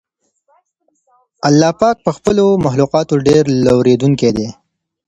الله پاک پر خپلو مخلوقاتو ډېر لورېدونکی دی.